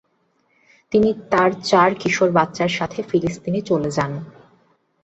তিনি তার চার কিশোর বাচ্চাদের সাথে ফিলিস্তিনে চলে যান।